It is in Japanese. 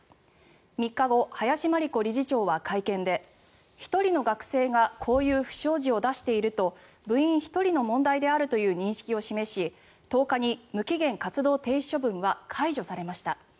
３日後、林真理子理事長は会見で１人の学生がこういう不祥事を出していると部員１人の問題であるという認識を示し１０日に無期限活動停止処分は解除されました。